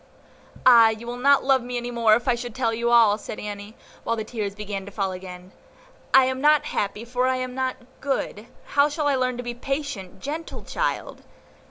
"Ah, you will not love me any more if I should tell you all," said Annie, while the tears began to fall again; "I am not happy, for I am not good; how shall I learn to be a patient, gentle child?